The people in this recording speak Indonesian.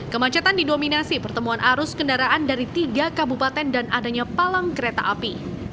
kemacetan didominasi pertemuan arus kendaraan dari tiga kabupaten dan adanya palang kereta api